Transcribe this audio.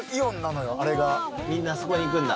みんなあそこに行くんだ。